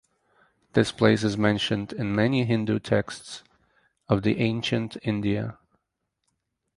This place is mentioned in many Hindu texts of the ancient India.